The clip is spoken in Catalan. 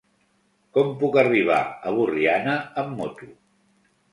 Com puc arribar a Borriana amb moto?